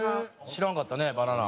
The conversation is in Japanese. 知らんかったねバナナ。